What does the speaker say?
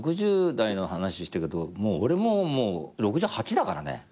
６０代の話してるけど俺ももう６８だからね。